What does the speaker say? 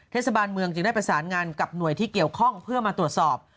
เทศบาลเมืองจึงได้ประสานงานกับหน่วยที่เกี่ยวข้องเพื่อมาตรวจสอบ